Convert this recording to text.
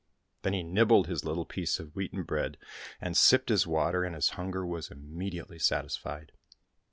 Then he nibbled his little piece of wheaten bread and sipped his water, and his hunger was imme diately satisfied.